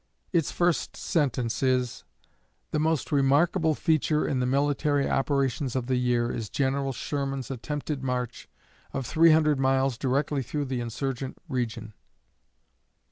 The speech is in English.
Its first sentence is: "The most remarkable feature in the military operations of the year is General Sherman's attempted march of three hundred miles directly through the insurgent region."